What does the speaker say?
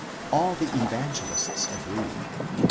16), all the Evangelists agree.